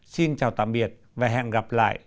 xin chào tạm biệt và hẹn gặp lại